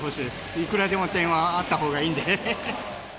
いくらでも点はあったほうがいいんで。